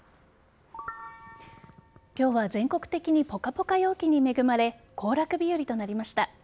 今日は全国的にポカポカ陽気に恵まれ行楽日和となりました。